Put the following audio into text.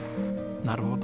なるほど。